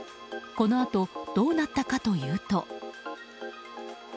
このあとどうなったかというと。